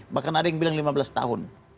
bahkan ada yang bilang lima belas tahun